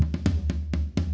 aku mau ke sana